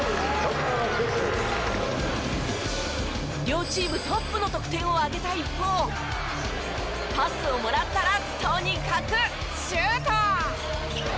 両チームトップの得点を挙げた一方パスをもらったらとにかくシュート！